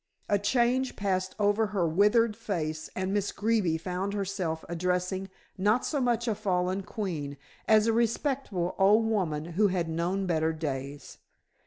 A change passed over her withered face, and Miss Greeby found herself addressing not so much a fallen queen, as a respectable old woman who had known better days.